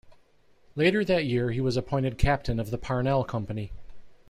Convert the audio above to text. Later that year he was appointed captain of the Parnell Company.